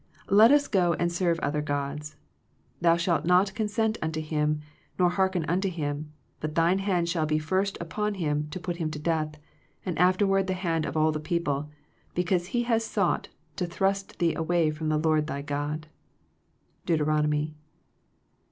Let us go and serve other godsy thou shalt not consent unto hiruy nor hearken unto him^ but thine hand shaB he first upon him to put him to death, and afterward the hand of all the people; because he has sought to thrust thee away from the Lord thy Cod. Dbutbromomy.